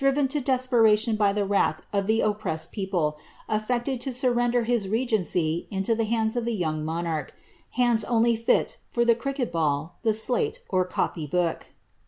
341 driTen to desperation by the wrath of tlie oppressed people, aflected to surrender his regency into the hands of the young monarch ; hands only fit for the cricket ball, the slate, or copy book.